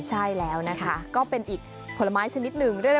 ใช่แล้วนะคะก็เป็นอีกผลไม้ชนิดหนึ่ง